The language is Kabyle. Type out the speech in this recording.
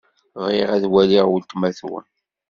Bɣiɣ ad waliɣ weltma-twen.